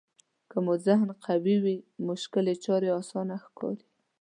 که مو ذهن قوي وي مشکلې چارې اسانه ښکاري.